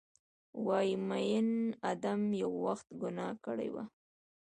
وایې ، میین ادم یو وخت ګناه کړي وه